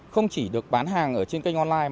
không chỉ được bán hàng ở trên kênh online